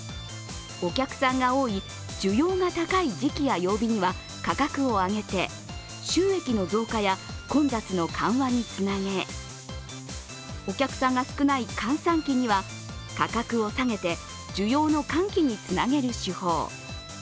お客さんが多い、需要が高い時期や曜日には価格を上げて収益の増加や混雑の緩和につなげ、お客さんが少ない閑散期には価格を下げて需要の喚起につなげる手法。